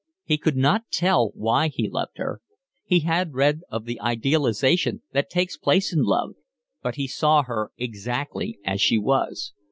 He could not tell why he loved her. He had read of the idealisation that takes place in love, but he saw her exactly as she was.